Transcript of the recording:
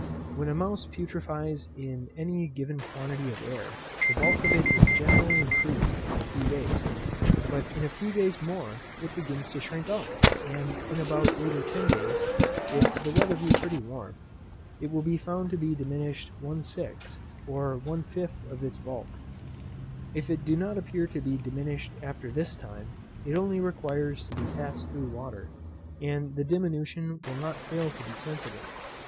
When a mouse putrefies in any given quantity of air, the bulk of it is generally increased for a few days; but in a few days more it begins to shrink up, and in about eight or ten days, if the weather be pretty warm, it will be found to be diminished 1/6, or 1/5 of its bulk. If it do not appear to be diminished after this time, it only requires to be passed through water, and the diminution will not fail to be sensible.